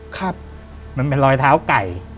ครับมันเป็นรอยเท้าไก่